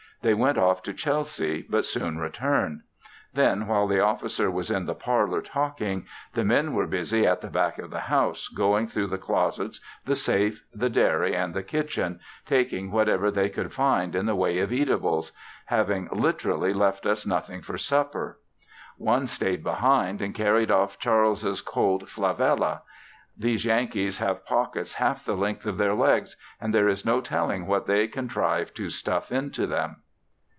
They went off to Chelsea, but soon returned. Then, while the officer was in the parlor talking, the men were busy at the back of the house, going through the closets, the safe, the dairy and the kitchen, taking whatever they could find in the way of eatables, have literally left us nothing for supper. One stayed behind and carried off Charles's colt "Flavella." These Yankees have pockets half the length of their legs and there is no telling what they contrive to stuff into them.